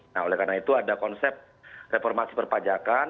nah oleh karena itu ada konsep reformasi perpajakan